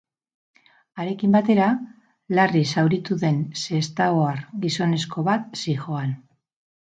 Harekin batera, larri zauritu den sestaoar gizonezko bat zihoan.